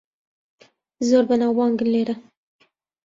زۆر بەناوبانگن لێرە.